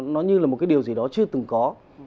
nó như là một cái điều gì đó chưa từng có